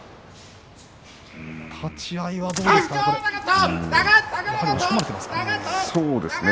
立ち合いはどうでしょうかね。